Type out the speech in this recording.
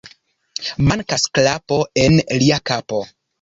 Mankas klapo en lia kapo.